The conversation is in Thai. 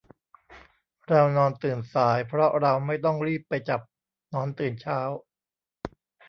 เรานอนตื่นสาย เพราะเราไม่ต้องรีบไปจับหนอนตื่นเช้า